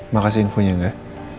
makasih infonya gak